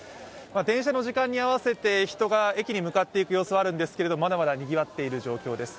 電車の時間に合わせて人が駅に向かっていく様子、あるんですけどまだまだにぎわっている状況です。